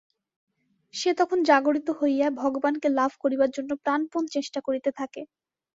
সে তখন জাগরিত হইয়া ভগবানকে লাভ করিবার জন্য প্রাণপণ চেষ্টা করিতে থাকে।